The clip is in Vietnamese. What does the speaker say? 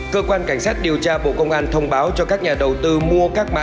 cơ quan cảnh sát điều tra bộ công an thông báo cho các nhà đầu tư mua các mạng